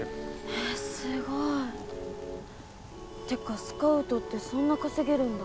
えっすごい！ってかスカウトってそんな稼げるんだ？